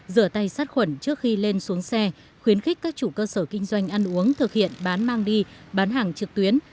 rửa tay sát khuẩn trước khi lên xuống xe khuyến khích các chủ cơ sở kinh doanh ăn uống thực hiện bán mang đi bán hàng trực tuyến